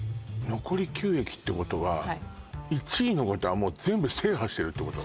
残り９駅ってことは１位の方はもう全部制覇してるってこと？